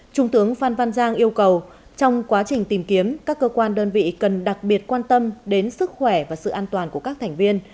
trung tướng phan văn giang yêu cầu trong quá trình tìm kiếm các cơ quan đơn vị cần đặc biệt quan tâm đến sức khỏe và sự an toàn của các thành viên